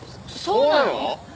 そうなの！？